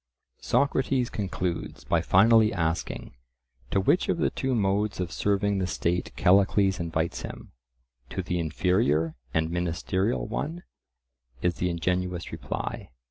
Socrates concludes by finally asking, to which of the two modes of serving the state Callicles invites him:—"to the inferior and ministerial one," is the ingenuous reply.